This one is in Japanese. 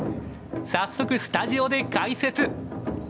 早速スタジオで解説！